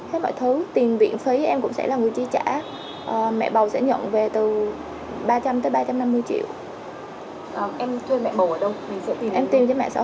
em tìm với mẹ xã hội